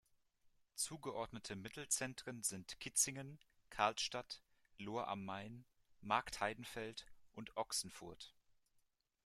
Zugeordnete Mittelzentren sind Kitzingen, Karlstadt, Lohr am Main, Marktheidenfeld und Ochsenfurt.